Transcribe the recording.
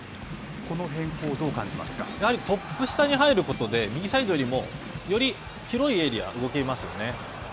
やはりトップ下に入ることで、右サイドよりも、より広いエリア、動けますよね。